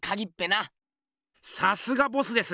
さすがボスです！